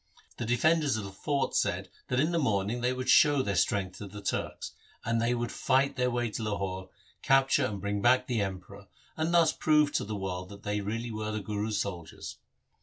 The defenders of the fort said, that in the morning they would show their strength to the Turks, that they would fight their way to Lahore, capture and bring back the Emperor, and thus prove to the world that they really were the Guru's soldiers.